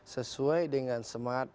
sesuai dengan semangat